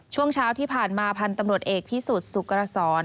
ช่วงเช้าที่ผ่านมาพันธุ์ตำรวจเอกพิสุทธิสุกรสร